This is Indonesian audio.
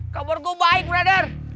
kabar gue baik brother